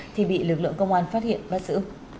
thì bị lực lượng công an phát hiện bắt giữ